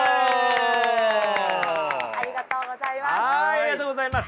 ありがとうございます。